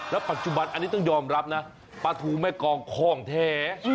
ปัจจุบันอันนี้ต้องยอมรับนะปลาทูแม่กองคล่องแท้